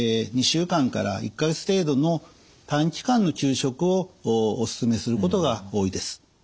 ２週間から１か月程度の短期間の休職をお勧めすることが多いです。